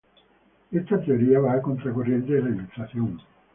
Esta teoría va a contracorriente de la Ilustración.